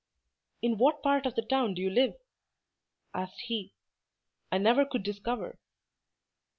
"In what part of the town do you live?" asked he. "I never could discover."